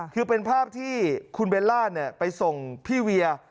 คือเป็นภาพที่คุณเบลล่าไปส่งพี่เวีย